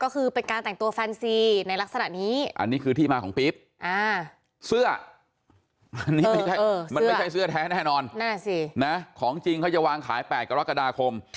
เสื้อมันไม่ใช่เสื้อแท้แน่นอนของจริงเขาจะวางขาย๘กรกฎาคม